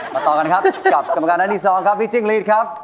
มาต่อกันครับกำกาลเจ้าอัตรีสองครับพี่จิ้งลีทครับ